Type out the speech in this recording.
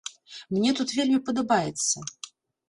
Мне тут вельмі падабаецца.